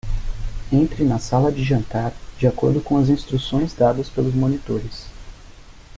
Entre na sala de jantar de acordo com as instruções dadas pelos monitores.